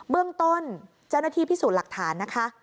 เบื้องต้นเจ้าหน้าที่พิสูจน์หลักฐานนะคะ